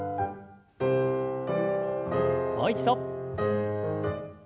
もう一度。